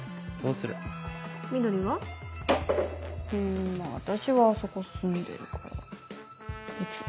うんまぁ私はあそこ住んでるから別に。